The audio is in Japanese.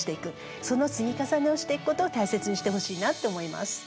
その積み重ねをしていくことを大切にしてほしいなって思います。